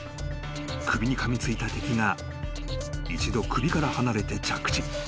［首にかみついた敵が一度首から離れて着地］